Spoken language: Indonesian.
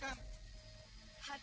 saya sudah menolak